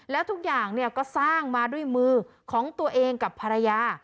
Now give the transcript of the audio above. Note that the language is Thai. แล้วทุกอย่างก็สร้างมาด้วยมือของตัวเองกับภรรยา